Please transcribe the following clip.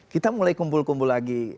kita mulai kumpul kumpul lagi